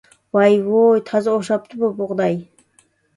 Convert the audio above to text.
ۋاي-ۋۇي، تازا ئوخشاپتۇ بۇ بۇغداي!